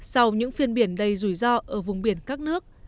sau những phiên biển đầy rủi ro ở vùng biển các nước